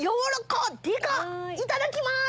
いただきます。